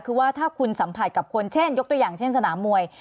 คือว่าถ้าคุณสัมผัสกับคนเช่นยกตัวอย่างเช่นสนามมวย